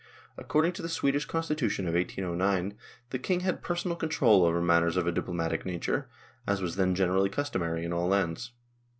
According to the Swedish constitution of 1809, the King had personal control over matters of a diplomatic nature, as was then generally customary in all lands.